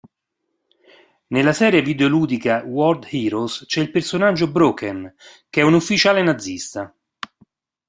Nella serie videoludica World Heroes c'è il personaggio "Brocken" che è un ufficiale nazista.